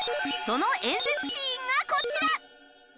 その演説シーンがこちら！